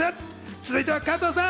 続いては、加藤さん。